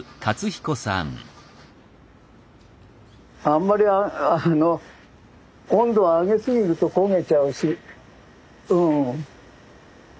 あんまりあの温度を上げ過ぎると焦げちゃうしうん。